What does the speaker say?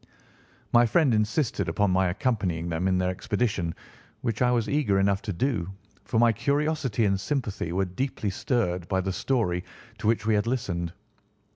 My friend insisted upon my accompanying them in their expedition, which I was eager enough to do, for my curiosity and sympathy were deeply stirred by the story to which we had listened.